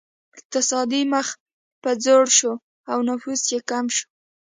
اقتصاد مخ په ځوړ شو او نفوس کم شو.